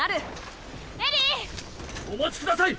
お待ちください